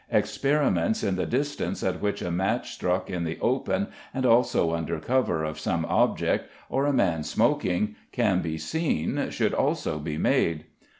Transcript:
Experiments in the distance at which a match struck in the open and also under cover of some object, or a man smoking, can be seen should also be made.